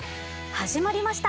始まりました。